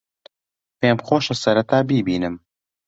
پێم خۆشە سەرەتا بیبینم.